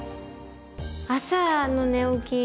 朝の寝起き